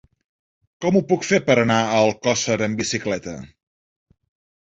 Com ho puc fer per anar a Alcosser amb bicicleta?